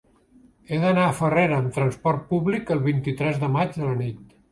He d'anar a Farrera amb trasport públic el vint-i-tres de maig a la nit.